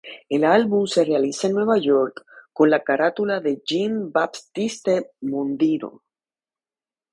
El álbum se realiza en Nueva York, con la carátula de Jean-Baptiste Mondino.